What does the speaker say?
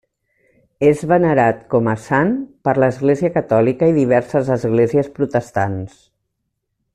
És venerat com a sant per l'Església catòlica i diverses esglésies protestants.